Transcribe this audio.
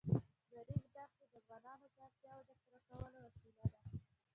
د ریګ دښتې د افغانانو د اړتیاوو د پوره کولو وسیله ده.